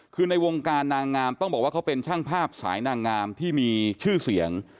คือในวงการนางงามต้องบอกว่าเขาเป็นช่างภาพสายนางงามที่มีชื่อเสียง